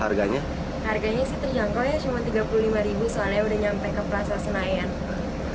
harganya harganya sih terjangkau ya cuma rp tiga puluh lima soalnya udah nyampe ke plaza senayan